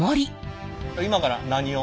今から何を？